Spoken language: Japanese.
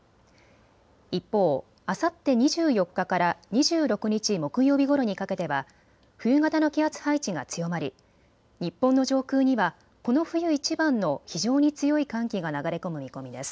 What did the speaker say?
一方、あさって２４日から２６日木曜日ごろにかけては冬型の気圧配置が強まり日本の上空にはこの冬いちばんの非常に強い寒気が流れ込む見込みです。